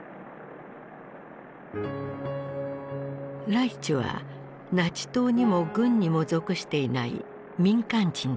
ライチュはナチ党にも軍にも属していない民間人だった。